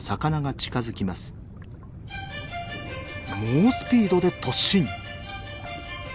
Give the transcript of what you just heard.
猛スピードで突進。